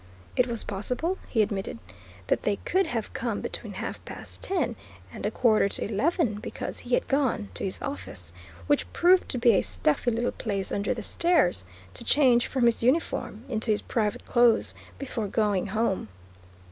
It was possible, he admitted, that they could have come between half past ten and a quarter to eleven because he had gone to his "office," which proved to be a stuffy little place under the stairs, to change from his uniform into his private clothes before going home.